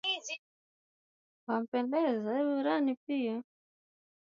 na yatupelekea kuwa na wasiwasi katika matokeo ya uchaguzi